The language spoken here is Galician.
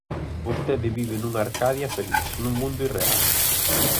Vostede vive nunha Arcadia feliz, nun mundo irreal.